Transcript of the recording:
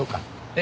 え？